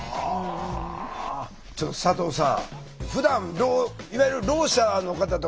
ちょっと佐藤さん